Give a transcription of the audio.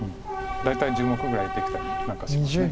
大体１０目ぐらいできたりなんかします。